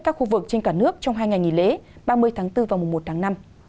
các khu vực trên cả nước trong hai ngày nghỉ lễ ba mươi tháng bốn một năm